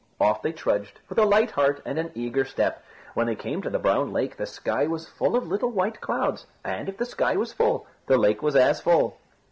Off they trudged, with a light heart and an eager step. When they came to the Brown Lake, the sky was full of little white clouds, and, if the sky was full, the lake was as full.